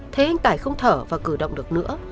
thế anh tải không thở và cử động được nữa